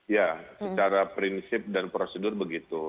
ya secara prinsip dan prosedur begitu